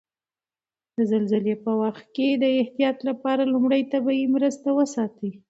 د زلزلې په وخت د احتیاط لپاره لومړي طبي مرستې وساتئ.